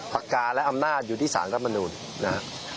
ภักกาและอำนาจอยู่ที่สารรัฐธรรมนูนนะ